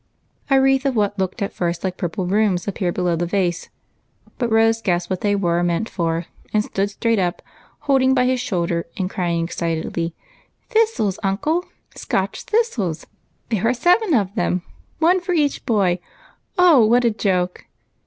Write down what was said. A wreath of what looked at first like purple brooms appeared below the vase, but Rose guessed what they were meant for and stood straight up, holding by his shoulder, and crying excitedly, —" Thistles, uncle, Scotch thistles ! There are seven of them, — one for each boy ! Oh, what a joke